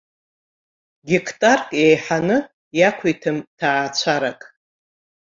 Геқтарк еиҳаны иақәиҭым ҭаацәарак.